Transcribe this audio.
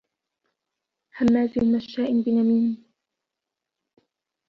هَمّازٍ مَشّاءٍ بِنَميمٍ